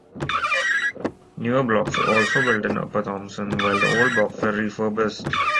Newer blocks were also built in Upper Thomson, while the old blocks were refurbished.